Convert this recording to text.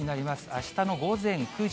あしたの午前９時。